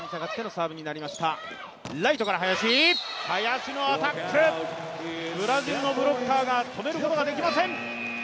林のアタック、ブラジルのブロッカーが止めることができません。